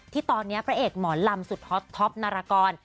ที่ตอนนี้พระเอกหมอลำสุดฮอตท็อปนารกร